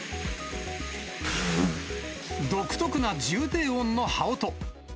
独特な重低音の羽音。